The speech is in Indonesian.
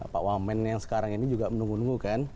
pak wamen yang sekarang ini juga menunggu nunggu kan